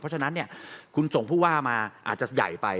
เพราะฉะนั้นคุณส่งผู้ว่ามาอาจจะใหญ่ไป